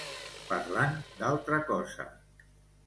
Parlant d'altra cosa.